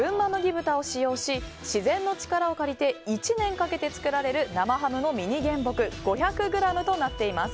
豚を使用し自然の力を借りて１年かけて作られる生ハムのミニ原木５００ｇとなっています。